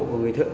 của người thợ